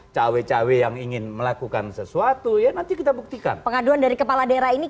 cawe cawe yang ingin melakukan sesuatu ya nanti kita buktikan pengaduan dari kepala daerah ini